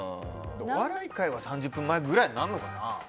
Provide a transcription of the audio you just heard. お笑い界は３０分前ぐらいになるのかな。